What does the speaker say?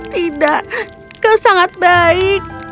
tidak kau sangat baik